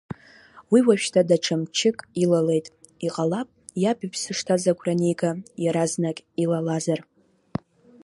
Уи уажәшьҭа даҽа мчык илалеит, иҟалап, иаб иԥсы шҭаз агәра анига, иаразнак илалазар.